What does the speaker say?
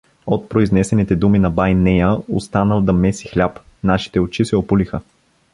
От произнесените думи на бай Нея „останал да меси хляб“ нашите очи се опулиха.